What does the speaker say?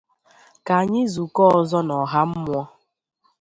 ka anyị zụkọọ ọzọ n'ọhà mmụọ